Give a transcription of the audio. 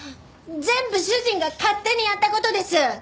全部主人が勝手にやった事です！